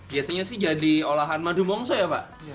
biasanya sih jadi olahan madu mongso ya pak